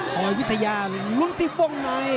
คอยวิทยาลุ้นที่วงใน